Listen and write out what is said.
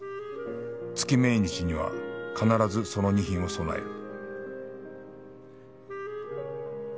月命日には必ずその２品を供える